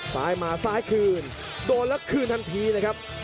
ซ้ายมาซ้ายคืนโดนแล้วคืนทันทีนะครับ